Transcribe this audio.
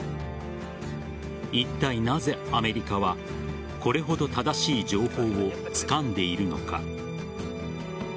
いったいなぜアメリカはこれほど正しい情報をつかんでいるのか。